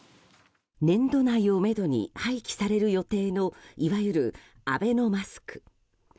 年度内をめどに廃棄される予定の、いわゆるアベノマスク。